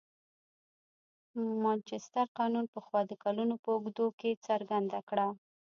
مانچستر قانون پخوا د کلونو په اوږدو کې څرګنده کړه.